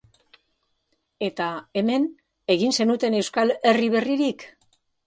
Eta, hemen, egin zenuten Euskal Herri berririk?